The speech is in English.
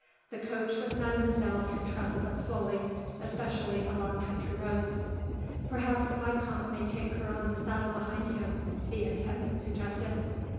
"The coach with mademoiselle can travel but slowly, especially along country roads." "Perhaps the vicomte may take her on the saddle behind him," the intendant suggested.